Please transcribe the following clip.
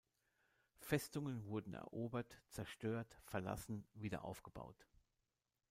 Festungen wurden erobert, zerstört, verlassen, wiederaufgebaut.